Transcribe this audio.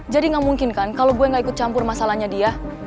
jadi gak mungkin kan kalau gue gak ikut campur masalahnya dia